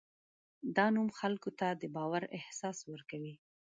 دا نوم خلکو ته د باور احساس ورکوي.